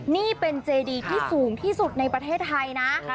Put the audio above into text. นี่เป็นเจดีที่สูงที่สุดในประเทศไทยนะ